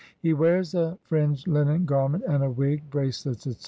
He wears a fringed linen garment and a wig, bracelets, etc.